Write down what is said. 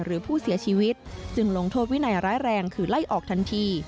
หรือผู้เสียชีวิตจึงลงโทษวินัยร้ายแรงคือไล่ออกทันที